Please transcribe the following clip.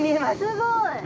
すごい！